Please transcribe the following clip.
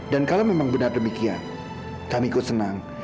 dan kalau memang benar demikian kami ikut senang